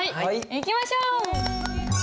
いきましょう！